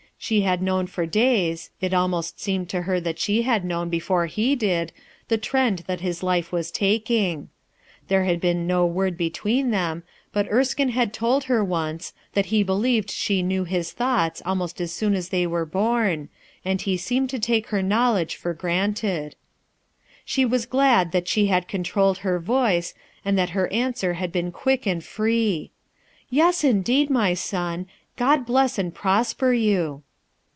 She had known for days, it almost seemed to her that she had known before he did, the trend that 39S RUTH ERSKINE'S SON his life was taking. There had been no ^ Qr( i between them, but Erskinc had told her onto that he believed she know his thoughts almost as soon as they were born, and he seemed to take her knowledge for granted* She was glad that she had controlled her voice, and that her answer had been quick and free :— "Yes, indeed, my son; God bless and prosper you."